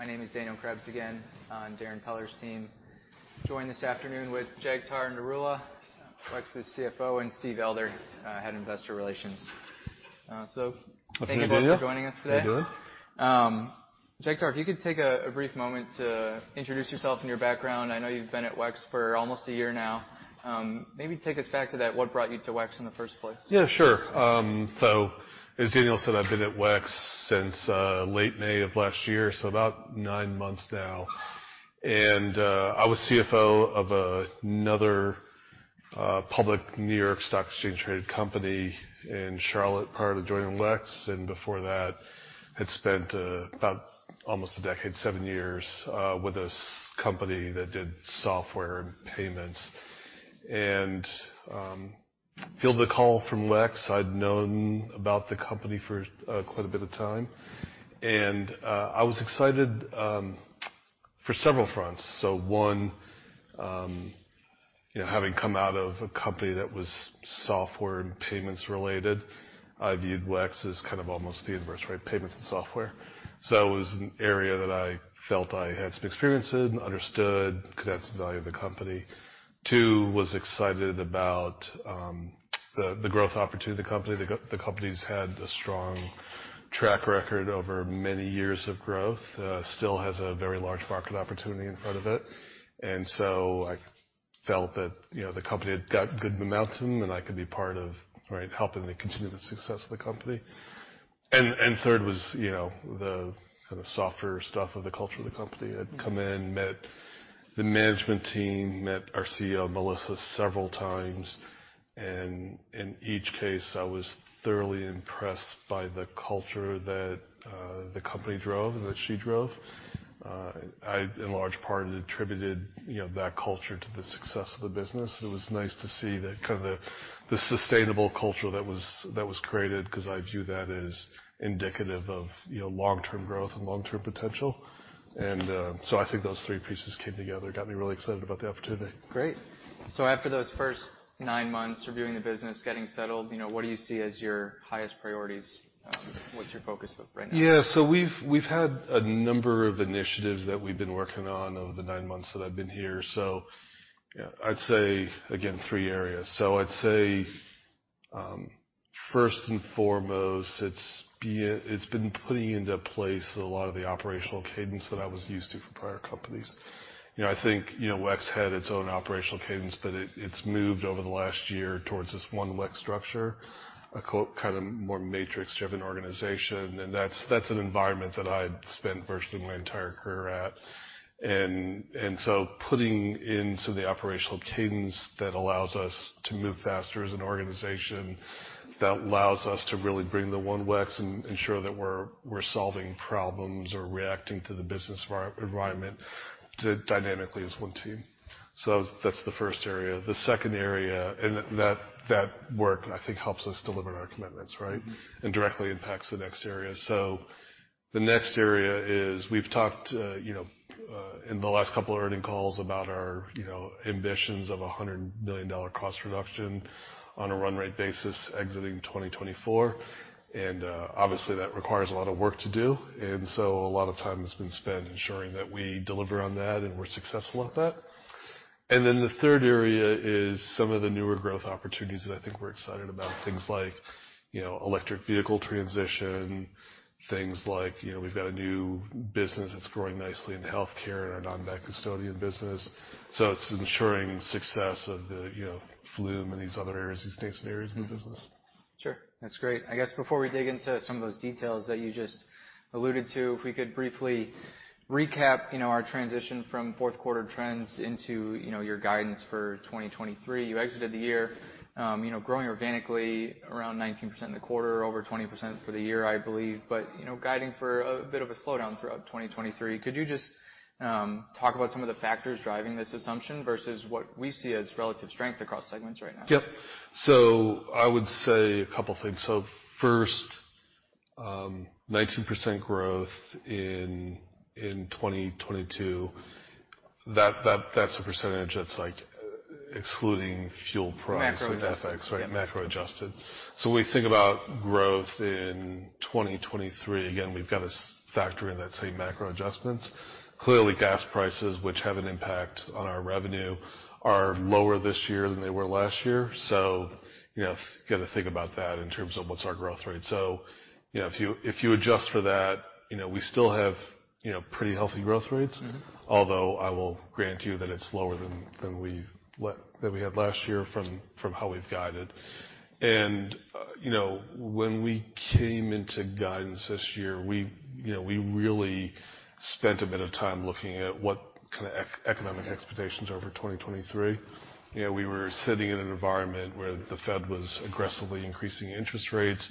My name is Daniel Krebs again, on Darrin Peller's team. Joined this afternoon with Jagtar Narula, WEX's CFO, and Steve Elder, Head Investor Relations. Thank you both for joining us today. How you doing? Jagtar, if you could take a brief moment to introduce yourself and your background. I know you've been at WEX for almost a year now. Maybe take us back to that. What brought you to WEX in the first place? Yeah, sure. As Daniel said, I've been at WEX since late May of last year, so about nine months now. I was CFO of another public New York Stock Exchange traded company in Charlotte prior to joining WEX. Before that, had spent almost a decade, seven years, with a company that did software and payments. Fielded the call from WEX. I'd known about the company for quite a bit of time. I was excited for several fronts. One, you know, having come out of a company that was software and payments related, I viewed WEX as kind of almost the inverse, right? Payments and software. It was an area that I felt I had some experience in, understood, could add some value to the company. Two, was excited about the growth opportunity of the company. The company's had a strong track record over many years of growth, still has a very large market opportunity in front of it. I felt that, you know, the company had got good momentum, and I could be part of, right, helping to continue the success of the company. Third was, you know, the kind of softer stuff of the culture of the company. I'd come in, met the management team, met our CEO, Melissa, several times. In each case, I was thoroughly impressed by the culture that the company drove and that she drove. I, in large part, attributed, you know, that culture to the success of the business. It was nice to see the kind of the sustainable culture that was created 'cause I view that as indicative of, you know, long-term growth and long-term potential. I think those three pieces came together, got me really excited about the opportunity. Great. After those first nine months reviewing the business, getting settled, you know, what do you see as your highest priorities? What's your focus right now? Yeah. We've had a number of initiatives that we've been working on over the nine months that I've been here. I'd say, again, three areas. I'd say, first and foremost, it's been putting into place a lot of the operational cadence that I was used to for prior companies. You know, I think, you know, WEX had its own operational cadence, but it's moved over the last year towards this One WEX structure, a kind of more matrix-driven organization. That's an environment that I'd spent virtually my entire career at. Putting in some of the operational cadence that allows us to move faster as an organization, that allows us to really bring the One WEX and ensure that we're solving problems or reacting to the business environment dynamically as one team. That's the first area. The second area... That work, I think, helps us deliver on our commitments, right? Directly impacts the next area. The next area is we've talked, you know, in the last couple of earnings calls about our, you know, ambitions of a $100 million cost reduction on a run rate basis exiting 2024. Obviously, that requires a lot of work to do. A lot of time has been spent ensuring that we deliver on that and we're successful at that. The third area is some of the newer growth opportunities that I think we're excited about. Things like, you know, electric vehicle transition, things like, you know, we've got a new business that's growing nicely in healthcare and our non-bank custodian business. It's ensuring success of the, you know, Flume in these other areas, these nascent areas of the business. Sure. That's great. I guess before we dig into some of those details that you just alluded to, if we could briefly recap, you know, our transition from fourth quarter trends into, you know, your guidance for 2023. You exited the year, you know, growing organically around 19% in the quarter, over 20% for the year, I believe. You know, guiding for a bit of a slowdown throughout 2023. Could you just talk about some of the factors driving this assumption versus what we see as relative strength across segments right now? Yep. I would say a couple things. first, 19% growth in 2022, that's a percentage that's like excluding fuel. Macro adjusted. FX, right? Macro adjusted. When we think about growth in 2023, again, we've got to factor in let's say macro adjustments. Clearly, gas prices, which have an impact on our revenue, are lower this year than they were last year. You know, gotta think about that in terms of what's our growth rate. You know, if you, if you adjust for that, you know, we still have, you know, pretty healthy growth rates. Mm-hmm. Although I will grant you that it's lower than we had last year from how we've guided. You know, when we came into guidance this year, we, you know, we really spent a bit of time looking at what kind of economic expectations are for 2023. You know, we were sitting in an environment where the Fed was aggressively increasing interest rates,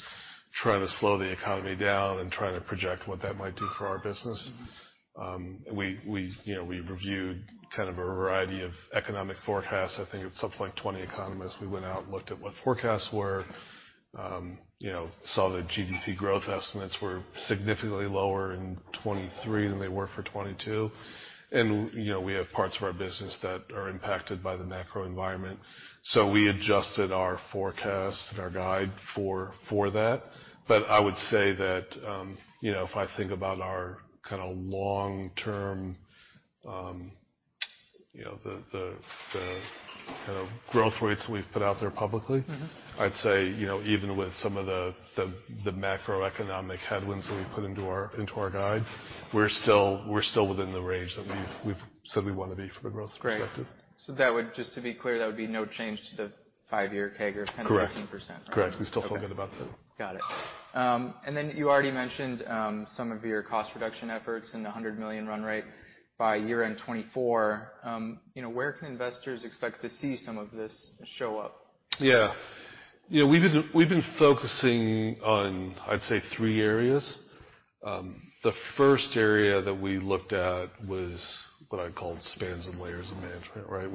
trying to slow the economy down and trying to project what that might do for our business. We, you know, we reviewed kind of a variety of economic forecasts. I think it was something like 20 economists. We went out and looked at what forecasts were. You know, saw the GDP growth estimates were significantly lower in 2023 than they were for 2022. You know, we have parts of our business that are impacted by the macro environment. We adjusted our forecast and our guide for that. I would say that, you know, if I think about our kinda long-term, you know, the kind of growth rates that we've put out there publicly. Mm-hmm. I'd say, you know, even with some of the macroeconomic headwinds that we put into our, into our guide, we're still within the range that we've said we wanna be for the growth perspective. Great. Just to be clear, that would be no change to the five-year CAGR of 10%-15%. Correct. Correct. We're still feeling good about that. Got it. You already mentioned, some of your cost reduction efforts and the $100 million run rate by year-end 2024. You know, where can investors expect to see some of this show up? Yeah, we've been focusing on, I'd say, three areas. The first area that we looked at was what I'd call Spans and layers of management, right?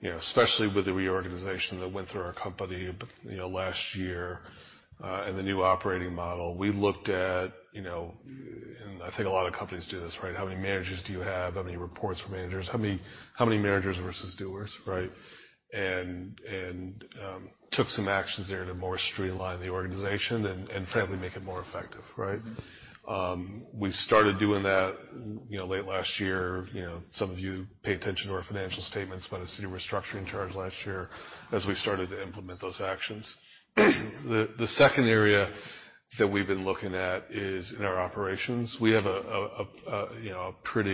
You know, especially with the reorganization that went through our company, you know, last year, and the new operating model. We looked at, you know, and I think a lot of companies do this, right? How many managers do you have? How many reports for managers? How many managers versus doers, right? Took some actions there to more streamline the organization and frankly, make it more effective, right? We started doing that, you know, late last year. You know, some of you pay attention to our financial statements might've seen a restructuring charge last year as we started to implement those actions. The second area that we've been looking at is in our operations. We have a, you know, a pretty,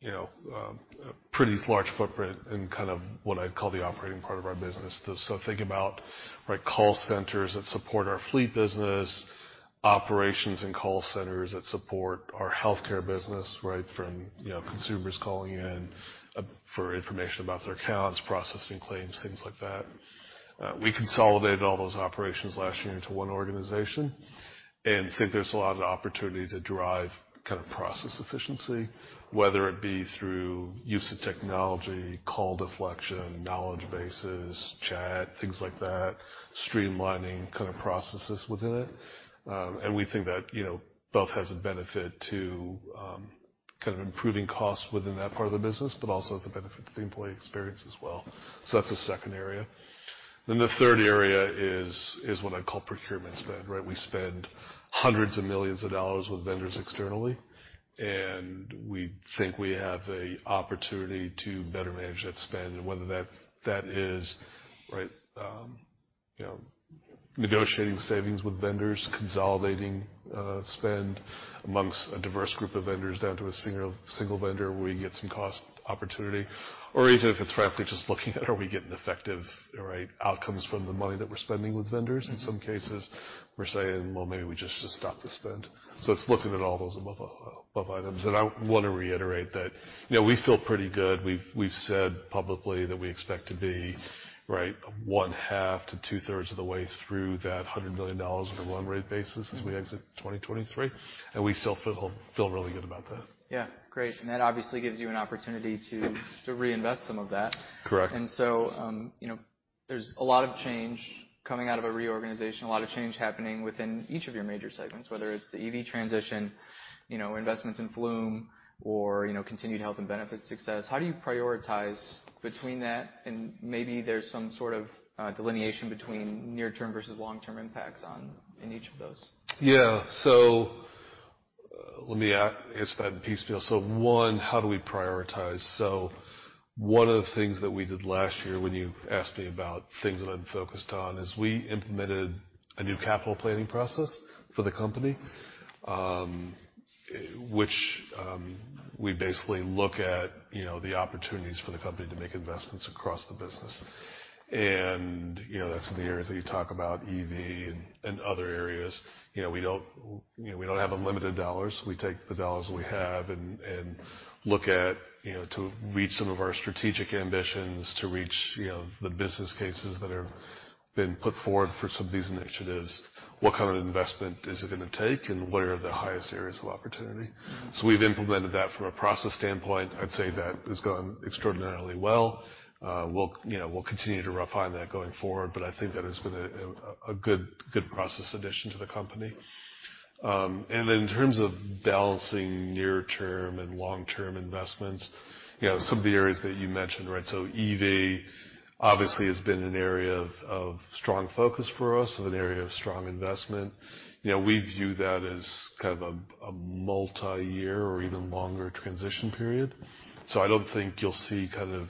you know, a pretty large footprint in kind of what I'd call the operating part of our business. Think about, right, call centers that support our fleet business, operations and call centers that support our healthcare business, right? From, you know, consumers calling in for information about their accounts, processing claims, things like that. We consolidated all those operations last year into one organization and think there's a lot of opportunity to drive kind of process efficiency, whether it be through use of technology, call deflection, knowledge bases, chat, things like that. Streamlining kind of processes within it. We think that, you know, both has a benefit to kind of improving costs within that part of the business, but also has the benefit to the employee experience as well. That's the second area. The third area is what I'd call procurement spend, right. We spend $100 millions with vendors externally, and we think we have a opportunity to better manage that spend, whether that is, right, you know, negotiating savings with vendors, consolidating spend amongst a diverse group of vendors down to a single vendor where we can get some cost opportunity. Even if it's frankly just looking at, are we getting effective, right, outcomes from the money that we're spending with vendors? In some cases, we're saying, "Well, maybe we just should stop the spend." It's looking at all those above items. I wanna reiterate that, you know, we feel pretty good. We've said publicly that we expect to be, right, one half to two-thirds of the way through that $100 million on a run rate basis as we exit 2023, and we still feel really good about that. Yeah. Great. That obviously gives you an opportunity to reinvest some of that. Correct. You know, there's a lot of change coming out of a reorganization, a lot of change happening within each of your major segments, whether it's the EV transition, you know, investments in Flume or, you know, continued health and benefit success. How do you prioritize between that? Maybe there's some sort of delineation between near term versus long-term impacts on in each of those. Let me answer that in piecemeal. One, how do we prioritize? One of the things that we did last year, when you asked me about things that I'm focused on, is we implemented a new capital planning process for the company, which we basically look at, you know, the opportunities for the company to make investments across the business. That's in the areas that you talk about EV and other areas. You know, we don't, you know, we don't have unlimited dollars. We take the dollars that we have and look at, you know, to reach some of our strategic ambitions, to reach, you know, the business cases that have been put forward for some of these initiatives. What kind of investment is it gonna take, and what are the highest areas of opportunity? We've implemented that from a process standpoint. I'd say that has gone extraordinarily well. We'll, you know, we'll continue to refine that going forward, but I think that has been a good process addition to the company. Then in terms of balancing near term and long-term investments, you know, some of the areas that you mentioned, right? EV obviously has been an area of strong focus for us and an area of strong investment. You know, we view that as kind of a multiyear or even longer transition period. I don't think you'll see kind of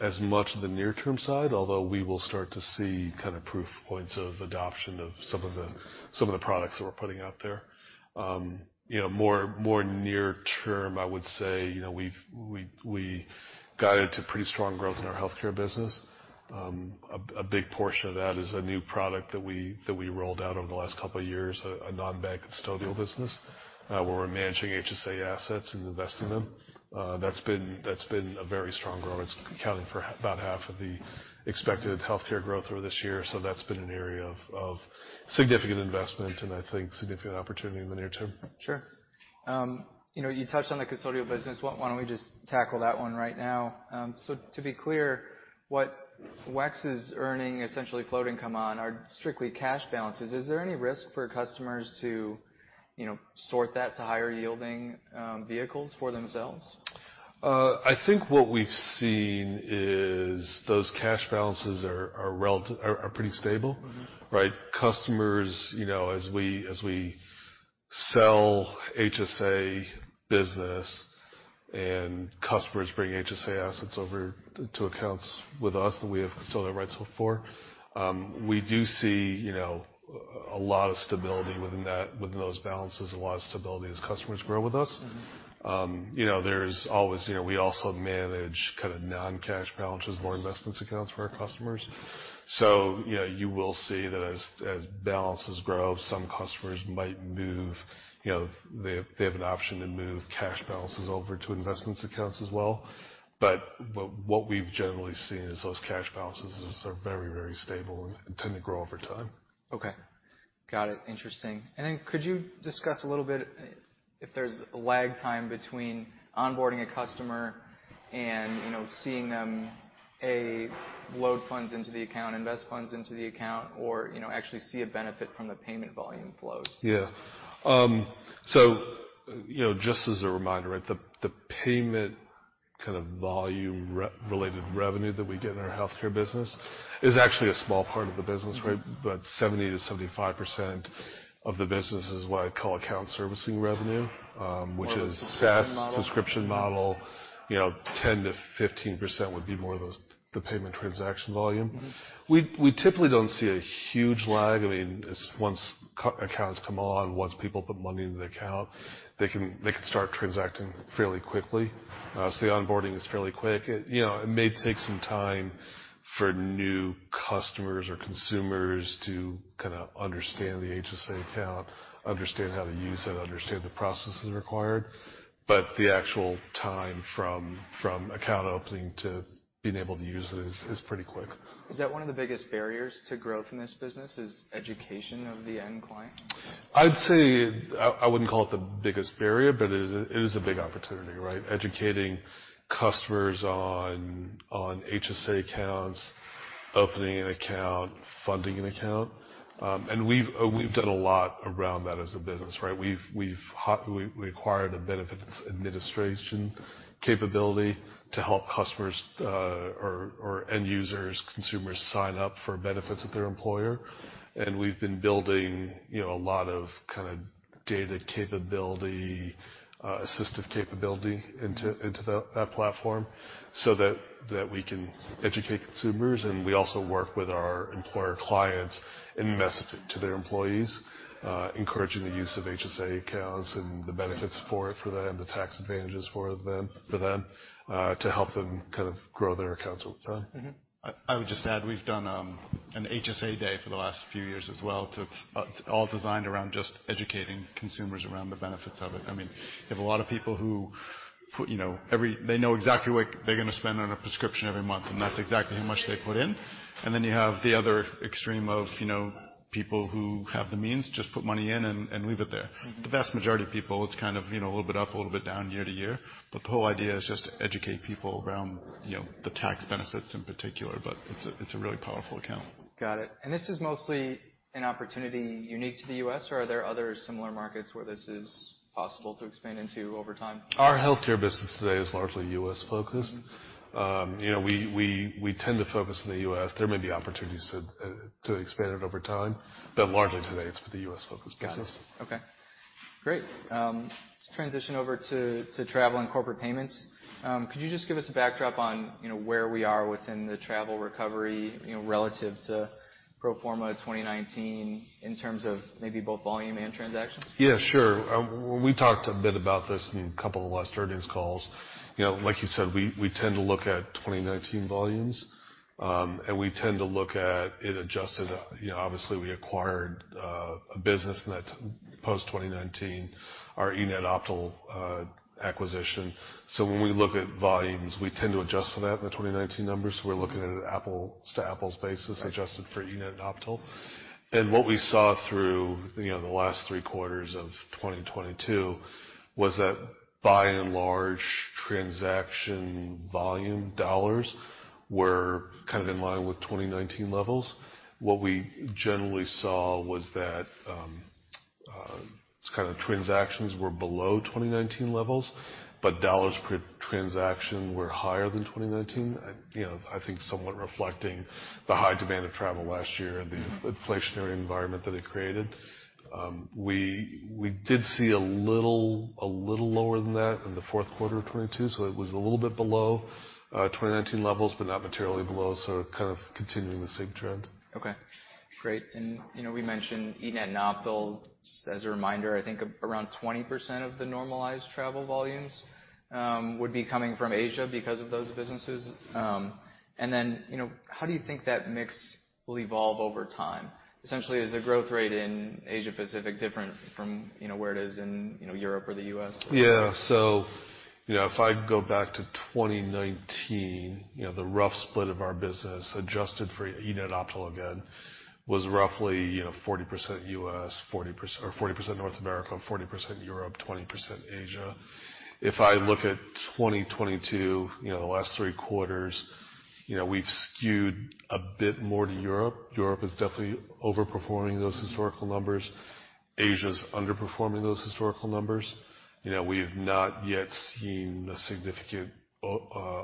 as much of the near-term side, although we will start to see kind of proof points of adoption of some of the products that we're putting out there. You know, more, more near term, I would say, you know, we guided to pretty strong growth in our healthcare business. A big portion of that is a new product that we, that we rolled out over the last couple of years, a Non-Bank Custodian business, where we're managing HSA assets and investing them. That's been a very strong growth. It's accounting for about half of the expected healthcare growth over this year. That's been an area of significant investment and I think significant opportunity in the near term. Sure. You know, you touched on the custodial business. Why don't we just tackle that one right now? To be clear, what WEX is earning essentially floating come on are strictly cash balances. Is there any risk for customers to, you know, sort that to higher yielding vehicles for themselves? I think what we've seen is those cash balances are pretty stable. Mm-hmm. Right? Customers, you know, as we sell HSA business and customers bring HSA assets over to accounts with us, and we have custodial rights before. We do see, you know, a lot of stability within that, within those balances, a lot of stability as customers grow with us. Mm-hmm. You know, there's always, you know, we also manage kind of non-cash balances, more investments accounts for our customers. You know, you will see that as balances grow, some customers might move. You know, they have an option to move cash balances over to investments accounts as well. What we've generally seen is those cash balances are very, very stable and tend to grow over time. Okay. Got it. Interesting. Then could you discuss a little bit if there's lag time between onboarding a customer and, you know, seeing them, A, load funds into the account, invest funds into the account or, you know, actually see a benefit from the payment volume flows? Yeah, you know, just as a reminder, the payment kind of volume-related revenue that we get in our healthcare business is actually a small part of the business, right? 70%-75% of the business is what I call account servicing revenue. More of a subscription model.... SaaS subscription model. You know, 10%-15% would be more of those, the payment transaction volume. Mm-hmm. We typically don't see a huge lag. I mean, once co-accounts come on, once people put money into the account, they can start transacting fairly quickly. The onboarding is fairly quick. You know, it may take some time for new customers or consumers to kind of understand the HSA account, understand how to use it, understand the processes required, but the actual time from account opening to being able to use it is pretty quick. Is that one of the biggest barriers to growth in this business is education of the end client? I'd say I wouldn't call it the biggest barrier, but it is a big opportunity, right? Educating customers on HSA accounts, opening an account, funding an account. We've done a lot around that as a business, right? We've acquired a benefits administration capability to help customers, or end users, consumers sign up for benefits with their employer. We've been building, you know, a lot of kind of data capability, assistive capability into that platform so that we can educate consumers. We also work with our employer clients in messaging to their employees, encouraging the use of HSA accounts and the benefits for them, the tax advantages for them, to help them kind of grow their accounts over time. Mm-hmm. I would just add, we've done an HSA Day for the last few years as well. It's all designed around just educating consumers around the benefits of it. I mean, you have a lot of people who put, you know, they know exactly what they're gonna spend on a prescription every month, and that's exactly how much they put in. You have the other extreme of, you know, people who have the means, just put money in and leave it there. Mm-hmm. The vast majority of people, it's kind of, you know, a little bit up, a little bit down year to year. The whole idea is just to educate people around, you know, the tax benefits in particular. It's a really powerful account. Got it. This is mostly an opportunity unique to the U.S., or are there other similar markets where this is possible to expand into over time? Our healthcare business today is largely U.S. focused. Mm-hmm. you know, we tend to focus in the U.S. There may be opportunities to expand it over time, but largely today, it's for the U.S. Focused business. Got it. Okay, great. Let's transition over to travel and corporate payments. Could you just give us a backdrop on, you know, where we are within the travel recovery, you know, relative to pro forma 2019 in terms of maybe both volume and transactions? Yeah, sure. We talked a bit about this in a couple of last earnings calls. You know, like you said, we tend to look at 2019 volumes, and we tend to look at it adjusted. You know, obviously, we acquired a business in that post-2019, our eNett Optal acquisition. When we look at volumes, we tend to adjust for that in the 2019 numbers. We're looking at an apples to apples basis adjusted for eNett Optal. What we saw through, you know, the last three quarters of 2022 was that by and large, transaction volume dollars were kind of in line with 2019 levels. What we generally saw was that kind of transactions were below 2019 levels, but dollars per transaction were higher than 2019. You know, I think somewhat reflecting the high demand of travel last year and the inflationary environment that it created. We did see a little lower than that in the fourth quarter of 2022, so it was a little bit below 2019 levels, but not materially below, so kind of continuing the same trend. Okay, great. You know, we mentioned eNett Optal. Just as a reminder, I think around 20% of the normalized travel volumes would be coming from Asia because of those businesses. You know, how do you think that mix will evolve over time? Essentially, is the growth rate in Asia-Pacific different from, you know, where it is in, you know, Europe or the U.S.? Yeah. You know, if I go back to 2019, you know, the rough split of our business, adjusted for eNett Optal again, was roughly, you know, 40% U.S., Or 40% North America, 40% Europe, 20% Asia. If I look at 2022, you know, the last three quarters, you know, we've skewed a bit more to Europe. Europe is definitely overperforming those historical numbers. Asia is underperforming those historical numbers. You know, we've not yet seen a significant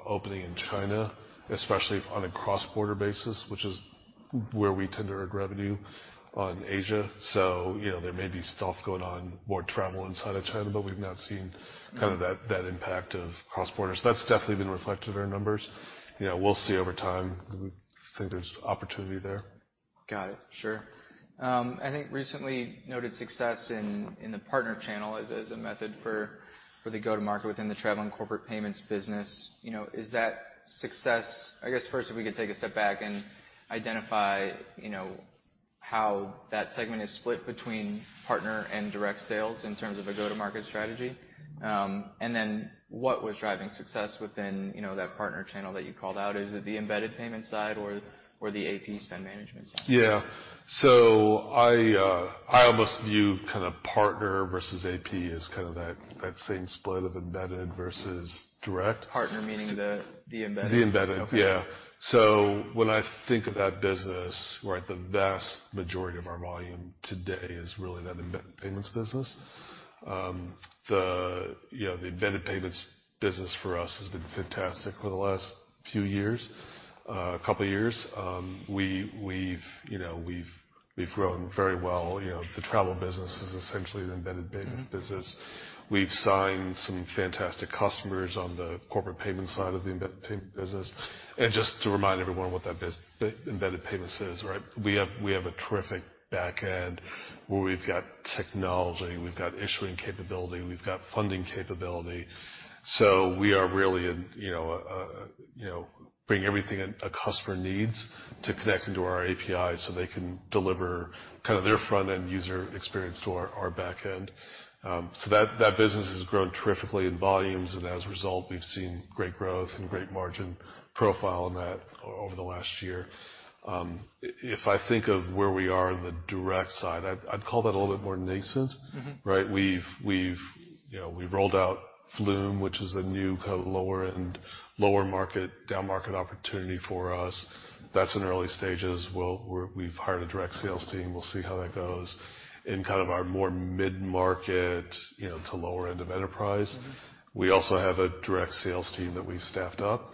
opening in China, especially on a cross-border basis, where we tend to earn revenue on Asia. You know, there may be stuff going on, more travel inside of China, but we've not seen kind of that impact of cross-border. That's definitely been reflected in our numbers. You know, we'll see over time. We think there's opportunity there. Got it. Sure. I think recently noted success in the partner channel as a method for the go-to-market within the travel and corporate payments business. You know, I guess first, if we could take a step back and identify, you know, how that segment is split between partner and direct sales in terms of a go-to-market strategy. What was driving success within, you know, that partner channel that you called out. Is it the embedded payment side or the AP spend management side? Yeah. I almost view kind of partner versus AP as kind of that same split of embedded versus direct. Partner meaning the embedded? The embedded. Okay. Yeah. When I think of that business, right, the vast majority of our volume today is really that embedded payments business. you know, the embedded payments business for us has been fantastic for the last few years, couple years. We've, you know, grown very well. You know, the travel business is essentially an embedded payments business. We've signed some fantastic customers on the corporate payment side of the embedded payment business. Just to remind everyone what that embedded payments is, right? We have, we have a terrific back end where we've got technology, we've got issuing capability, we've got funding capability. We are really in, you know, bring everything a customer needs to connect into our API so they can deliver kind of their front-end user experience to our back end. That business has grown terrifically in volumes, as a result, we've seen great growth and great margin profile in that over the last year. If I think of where we are in the direct side, I'd call that a little bit more nascent. Mm-hmm. Right? We've, you know, we've rolled out Flume, which is a new kind of lower-end, lower market, down-market opportunity for us. That's in early stages. We've hired a direct sales team. We'll see how that goes. In kind of our more mid-market, you know, to lower end of enterprise... Mm-hmm. we also have a direct sales team that we've staffed up.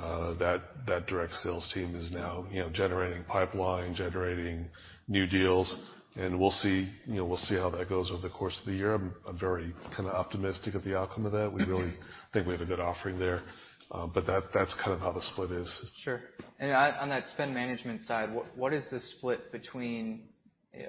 That direct sales team is now, you know, generating pipeline, generating new deals, and we'll see, you know, we'll see how that goes over the course of the year. I'm very kind of optimistic of the outcome of that. We really think we have a good offering there. That's kind of how the split is. Sure. On that spend management side, what is the split between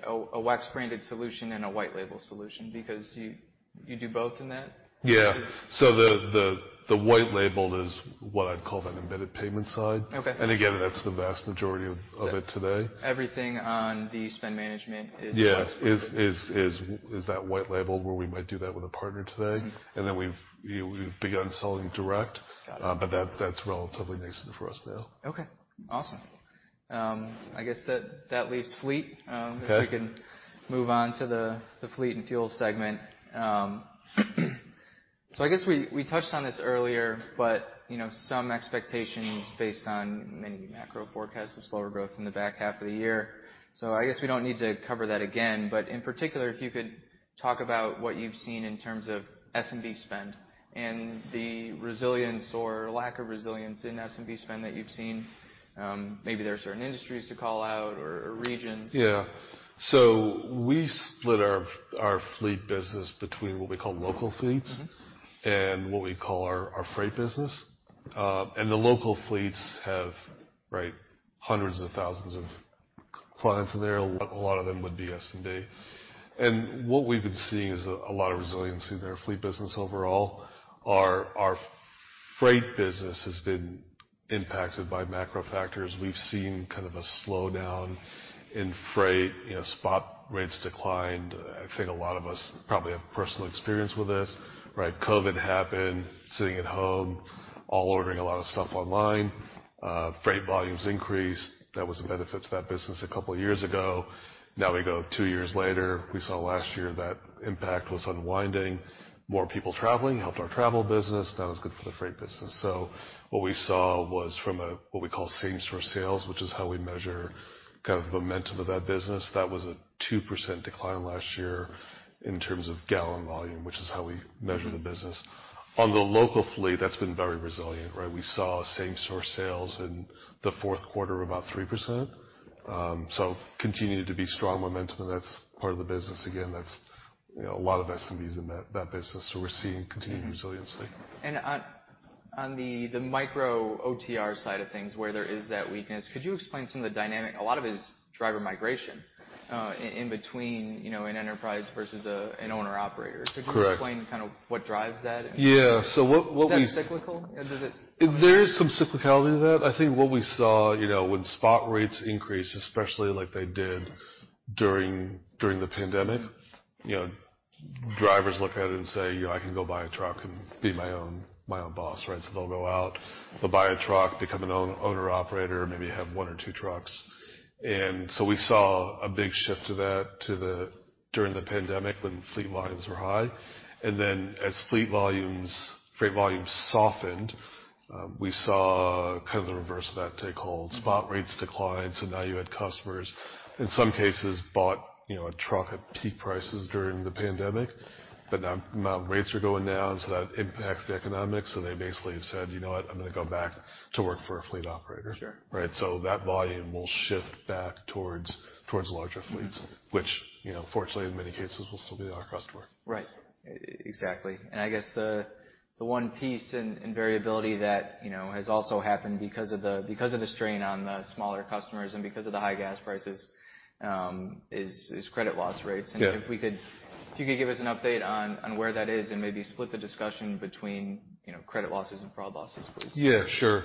a WEX branded solution and a white label solution? Because you do both in that? Yeah. the white label is what I'd call an embedded payment side. Okay. Again, that's the vast majority of it today. Everything on the spend management is-. Yeah. WEX branded. Is that white label where we might do that with a partner today? Mm-hmm. We've begun selling direct. Got it. That's relatively nascent for us now. Okay, awesome. I guess that leaves fleet. Okay. If we can move on to the fleet and fuel segment. I guess we touched on this earlier, but, you know, some expectations based on many macro forecasts of slower growth in the back half of the year. I guess we don't need to cover that again. In particular, if you could talk about what you've seen in terms of SMB spend and the resilience or lack of resilience in SMB spend that you've seen. Maybe there are certain industries to call out or regions. Yeah. we split our fleet business between what we call local fleets- Mm-hmm. What we call our freight business. The local fleets have, right, 100 thousands of clients in there. A lot of them would be SMB. What we've been seeing is a lot of resiliency in our fleet business overall. Our freight business has been impacted by macro factors. We've seen kind of a slowdown in freight. You know, spot rates declined. I think a lot of us probably have personal experience with this, right? Covid happened, sitting at home, all ordering a lot of stuff online. Freight volumes increased. That was a benefit to that business two years ago. Now we go two years later, we saw last year that impact was unwinding. More people traveling helped our travel business. Not as good for the freight business. What we saw was from a, what we call same store sales, which is how we measure kind of momentum of that business. That was a 2% decline last year in terms of gallon volume, which is how we measure the business. On the local fleet, that's been very resilient, right? We saw same store sales in the fourth quarter about 3%. Continued to be strong momentum, and that's part of the business. Again, that's, you know, a lot of SMBs in that business, so we're seeing continued resiliency. Mm-hmm. On the micro OTR side of things, where there is that weakness, could you explain some of the dynamic? A lot of it is driver migration, in between, you know, an enterprise versus an owner-operator. Correct. Could you explain kind of what drives that? Yeah. what we... Is that cyclical? Or does it- There is some cyclicality to that. I think what we saw, you know, when spot rates increased, especially like they did during the pandemic. Mm. you know, drivers look at it and say, "You know, I can go buy a truck and be my own boss," right? They'll go out, they'll buy a truck, become an owner operator, maybe have one or two trucks. We saw a big shift to that, to the... during the pandemic when fleet volumes were high. Then as fleet volumes, freight volumes softened, we saw kind of the reverse of that take hold. Mm-hmm. Spot rates declined, so now you had customers, in some cases, bought, you know, a truck at peak prices during the pandemic, but now rates are going down, so that impacts the economics. They basically have said, "You know what? I'm gonna go back to work for a fleet operator. Sure. Right? That volume will shift back towards larger fleets. Mm-hmm. which, you know, fortunately in many cases will still be our customers. Right. Exactly. I guess the one piece and variability that, you know, has also happened because of the strain on the smaller customers and because of the high gas prices, is credit loss rates. Yeah. If you could give us an update on where that is and maybe split the discussion between, you know, credit losses and fraud losses, please. Yeah, sure.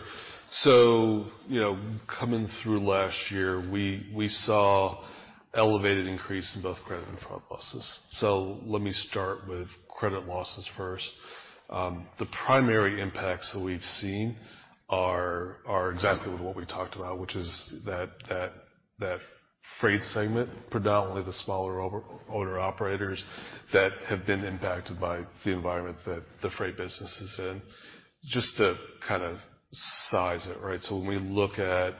You know, coming through last year, we saw elevated increase in both credit and fraud losses. Let me start with credit losses first. The primary impacts that we've seen are exactly with what we talked about, which is that freight segment, predominantly the smaller owner-operators that have been impacted by the environment that the freight business is in. Just to kind of size it, right? When we look at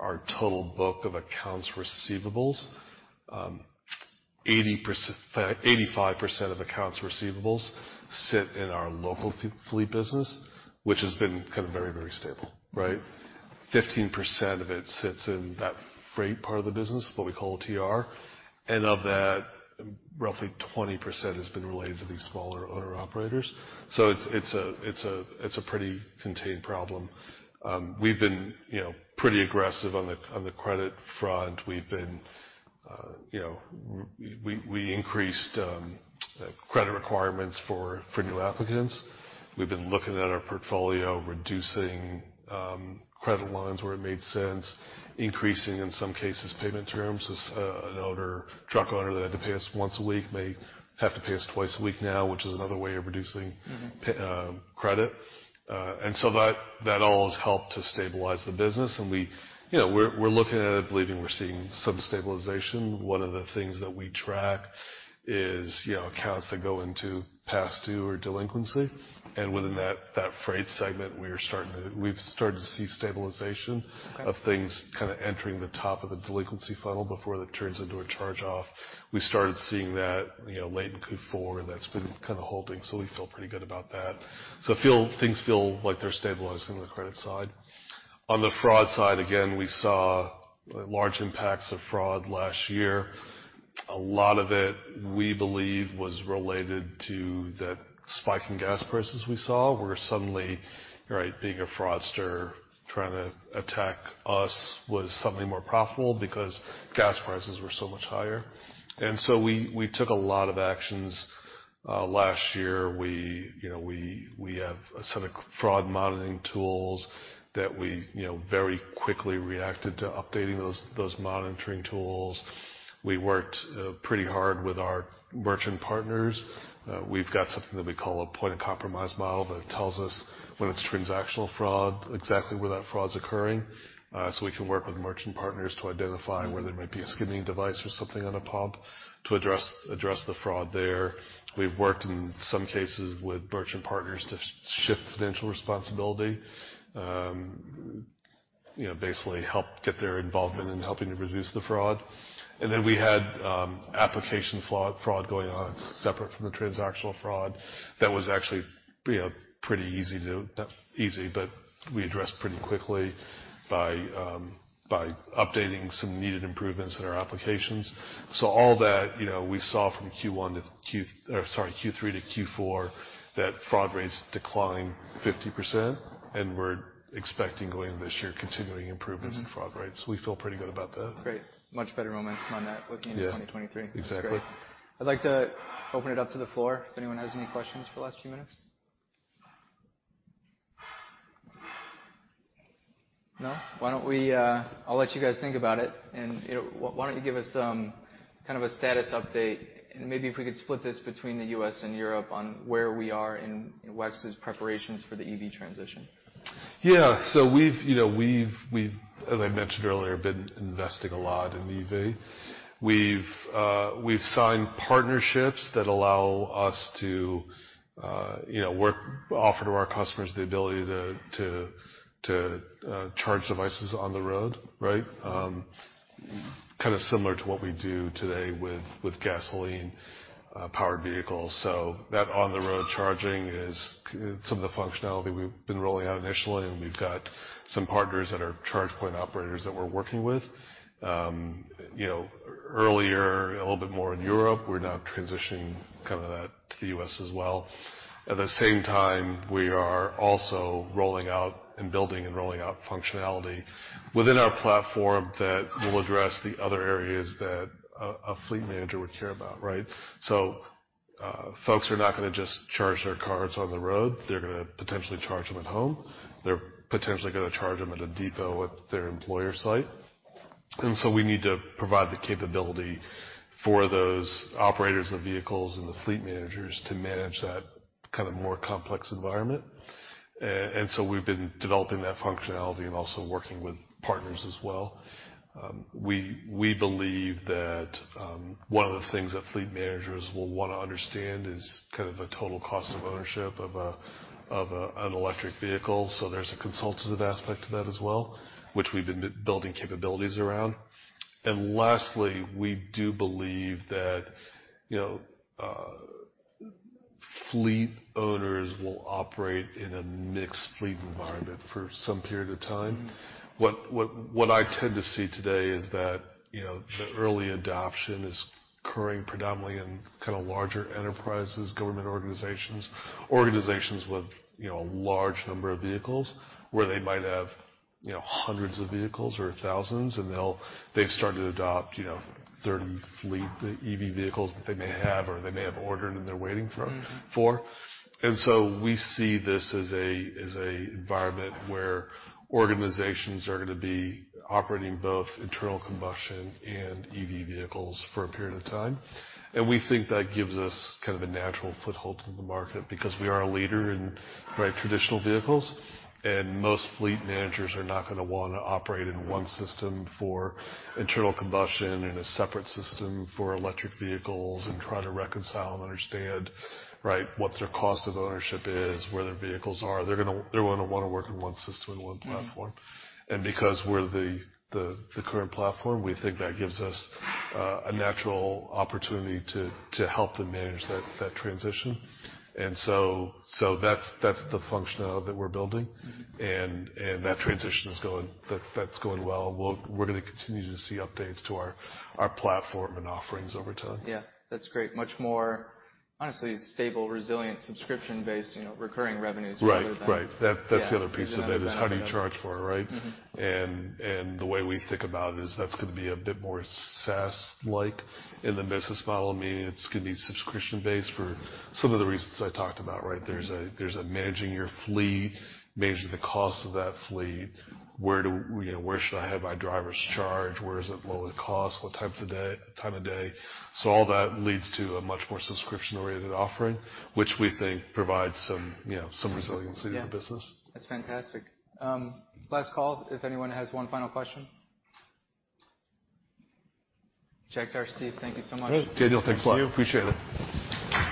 our total book of accounts receivables, 85% of accounts receivables sit in our local fleet business, which has been kind of very, very stable, right? 15% of it sits in that freight part of the business, what we call TR. Of that, roughly 20% has been related to these smaller owner-operators. It's a pretty contained problem. We've been, you know, pretty aggressive on the credit front. We increased credit requirements for new applicants. We've been looking at our portfolio, reducing credit lines where it made sense, increasing, in some cases, payment terms. As an owner, truck owner that had to pay us once a week may have to pay us twice a week now, which is another way of reducing- Mm-hmm. Credit. That all has helped to stabilize the business. We, you know, we're looking at it, believing we're seeing some stabilization. One of the things that we track is, you know, accounts that go into past due or delinquency. Within that freight segment, we've started to see stabilization. Okay. Of things kind of entering the top of the delinquency funnel before that turns into a charge-off. We started seeing that, you know, late in Q4, and that's been kind of holding. We feel pretty good about that. Things feel like they're stabilizing on the credit side. On the fraud side, again, we saw large impacts of fraud last year. A lot of it, we believe, was related to that spike in gas prices we saw, where suddenly, right, being a fraudster, trying to attack us was suddenly more profitable because gas prices were so much higher. We took a lot of actions last year. We, you know, we have a set of fraud monitoring tools that we, you know, very quickly reacted to updating those monitoring tools. We worked pretty hard with our merchant partners. We've got something that we call a point of compromise model that tells us when it's transactional fraud, exactly where that fraud's occurring, so we can work with merchant partners to identify... Mm-hmm. Where there might be a skimming device or something on a pump to address the fraud there. We've worked in some cases with merchant partners to shift financial responsibility, you know, basically help get their involvement in helping to reduce the fraud. We had application fraud going on separate from the transactional fraud that was actually, you know, pretty easy to... Not easy, but we addressed pretty quickly by updating some needed improvements in our applications. All that, you know, we saw from Q1 to, sorry, Q3 to Q4, that fraud rates declined 50%, and we're expecting going into this year, continuing improvements in fraud rates. Mm-hmm. We feel pretty good about that. Great. Much better momentum on that looking into 2023. Yeah. Exactly. That's great. I'd like to open it up to the floor if anyone has any questions for the last few minutes. No? Why don't we, I'll let you guys think about it. You know, why don't you give us, kind of a status update, and maybe if we could split this between the U.S. and Europe on where we are in WEX's preparations for the EV transition. Yeah. We've, you know, we've, as I mentioned earlier, been investing a lot in EV. We've, we've signed partnerships that allow us to, you know, offer to our customers the ability to charge devices on the road, right? Kind of similar to what we do today with gasoline powered vehicles. That on the road charging is some of the functionality we've been rolling out initially, and we've got some partners that are Charge Point Operators that we're working with. You know, earlier, a little bit more in Europe. We're now transitioning kind of that to the U.S. as well. At the same time, we are also rolling out and building and rolling out functionality within our platform that will address the other areas that a fleet manager would care about, right? Folks are not gonna just charge their cars on the road. They're gonna potentially charge them at home. They're potentially gonna charge them at a depot at their employer site. We need to provide the capability for those operators of vehicles and the fleet managers to manage that kind of more complex environment. We've been developing that functionality and also working with partners as well. We believe that one of the things that fleet managers will wanna understand is kind of the total cost of ownership of an electric vehicle. There's a consultative aspect to that as well, which we've been building capabilities around. Lastly, we do believe that, you know, fleet owners will operate in a mixed fleet environment for some period of time. Mm-hmm. What I tend to see today is that, you know, the early adoption is occurring predominantly in kinda larger enterprises, government organizations. Organizations with, you know, a large number of vehicles where they might have, you know, 100 of vehicles or thousands and they've started to adopt, you know, 30 fleet EV vehicles that they may have or they may have ordered and they're waiting for. Mm-hmm. We see this as a environment where organizations are gonna be operating both internal combustion and EV vehicles for a period of time. We think that gives us kind of a natural foothold in the market because we are a leader in, right, traditional vehicles. Most fleet managers are not gonna wanna operate in one system for internal combustion and a separate system for electric vehicles and try to reconcile and understand, right, what their cost of ownership is, where their vehicles are. They're gonna wanna work in one system and one platform. Mm-hmm. Because we're the current platform, we think that gives us a natural opportunity to help them manage that transition. That's the function of it that we're building. Mm-hmm. That's going well. We're going to continue to see updates to our platform and offerings over time. Yeah. That's great. Much more, honestly, stable, resilient, subscription-based, you know, recurring revenues rather than- Right. Right. Yeah. That's the other piece of it. Is another benefit of it. is how do you charge for it, right? Mm-hmm. The way we think about it is that's gonna be a bit more SaaS-like in the business model, meaning it's gonna be subscription-based for some of the reasons I talked about, right? Mm-hmm. There's a managing your fleet, managing the cost of that fleet. Where, you know, where should I have my drivers charge? Where is it lowest cost? What times of day? All that leads to a much more subscription-oriented offering, which we think provides some, you know, some resiliency. Yeah ...in the business. That's fantastic. Last call if anyone has one final question. Jagtar, Steve, thank you so much. All right. Daniel, thanks a lot. Thank you. Appreciate it.